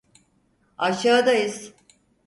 Aşağıdayız…